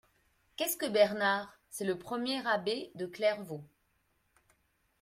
Qu'est-ce que Bernard ? c'est le premier abbé de Clairvaux.